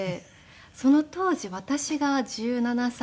その当時私が１７歳で。